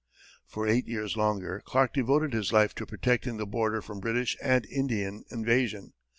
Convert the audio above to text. For eight years longer, Clark devoted his life to protecting the border from British and Indian invasion.